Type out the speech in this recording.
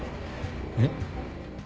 えっ？